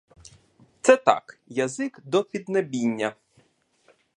Це так: язик до піднебіння.